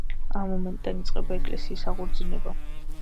ამ მომენტიდან იწყება ეკლესიის აღორძინება.